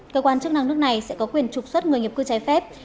cơ quan chức năng nước này sẽ có quyền trục xuất người nhập cư trái phép